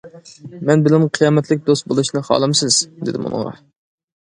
مەن بىلەن قىيامەتلىك دوست بولۇشنى خالامسىز؟ -دېدىم ئۇنىڭغا.